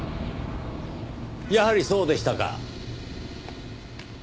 やはりそうでしたか。